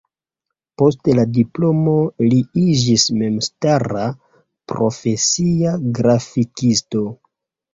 Post la diplomo li iĝis memstara, profesia grafikisto.